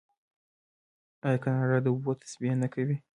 آیا کاناډا د اوبو تصفیه نه کوي؟